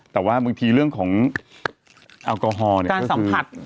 แต่ว่าบางทีเรื่องของแอลกอฮอล์เนี่ยก็คือ